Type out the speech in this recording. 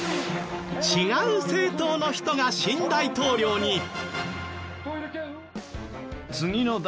違う政党の人が新大統領に！